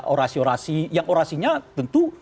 orasi orasi yang orasinya tentu